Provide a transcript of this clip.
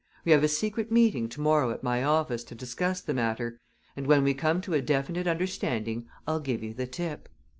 We have a secret meeting to morrow at my office to discuss the matter, and when we come to a definite understanding I'll give you the tip.